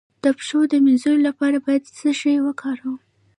د پښو د مینځلو لپاره باید څه شی وکاروم؟